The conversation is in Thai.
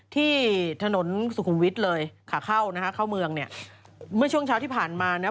ที่ถนนสุขุมวิทย์เลยขาเข้านะฮะเข้าเมืองเนี่ยเมื่อช่วงเช้าที่ผ่านมานะ